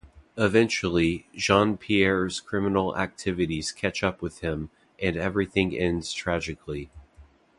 Eventually, Jean-Pierre's criminal activities catch up with him, and everything ends tragically.